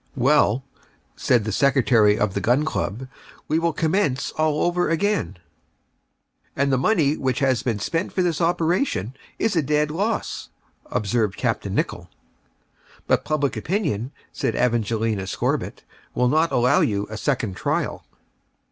"Well," said the Secretary of the Gun Club, "we will commence all over again." "And the money then which has been spent for this operation is a dead loss," observed Capt. Nicholl. "But public opinion," said Evangelina Scorbitt, "would not allow you a second trial."